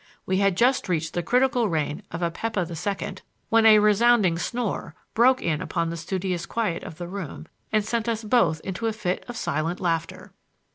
We had just reached the critical reign of Apepa II when a resounding snore broke in upon the studious quiet of the room and sent us both into a fit of silent laughter.